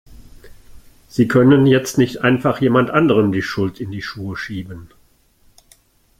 Sie können jetzt nicht einfach jemand anderem die Schuld in die Schuhe schieben!